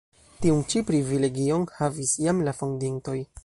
Tiun ĉi privilegion havis jam la fondintoj.